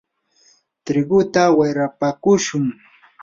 triguta wayrapakushun.